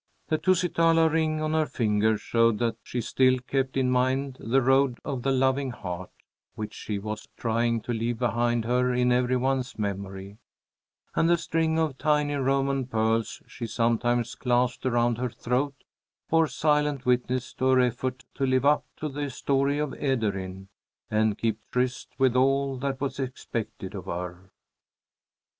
The Tusitala ring on her finger showed that she still kept in mind the Road of the Loving Heart, which she was trying to leave behind her in every one's memory, and the string of tiny Roman pearls she sometimes clasped around her throat bore silent witness to her effort to live up to the story of Ederyn, and keep tryst with all that was expected of her.